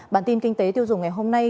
bản tin kinh tế tiêu dùng ngày hôm nay